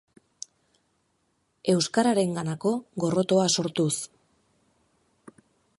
Euskararenganako gorrotoa sortuz.